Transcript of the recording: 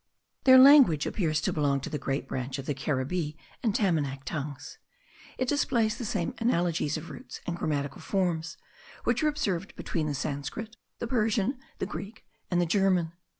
Their language appears to belong to the great branch of the Caribbee and Tamanac tongues. It displays the same analogies of roots and grammatical forms, which are observed between the Sanscrit, the Persian, the Greek, and the German.